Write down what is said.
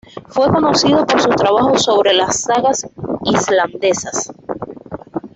Fue conocido por sus trabajos sobre las sagas islandesas.